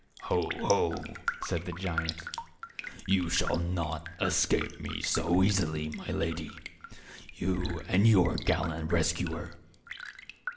"Ho, ho!" said the giant; "you shall not escape me so easily, my lady — you and your gallant rescuer."